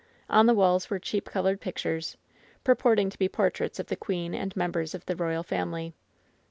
On the walls were cheap colored pictures, purporting to be portraits of the queen and members of the royal family.